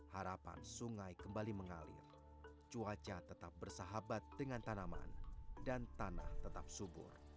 harapan sungai kembali mengalir cuaca tetap bersahabat dengan tanaman dan tanah tetap subur